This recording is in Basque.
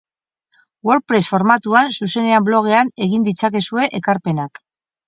WordPress formatuan zuzenean blogean egin ditzakezue ekarpenak.